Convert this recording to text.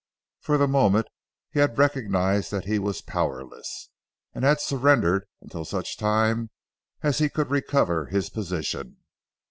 For the moment he had recognised that he was powerless, and had surrendered until such time as he could recover his position.